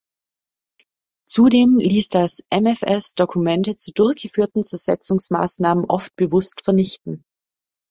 Zudem ließ das MfS Dokumente zu durchgeführten Zersetzungsmaßnahmen oft bewusst vernichten.